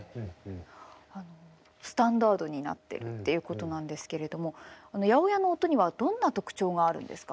あのスタンダードになってるっていうことなんですけれども８０８の音にはどんな特徴があるんですか？